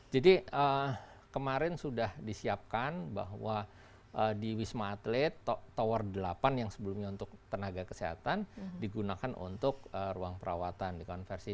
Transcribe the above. jadi kemarin sudah disiapkan bahwa di wisma atlet tower delapan yang sebelumnya untuk tenaga kesehatan digunakan untuk ruang perawatan di konversi